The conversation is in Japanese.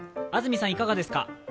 安住さんいかがですか。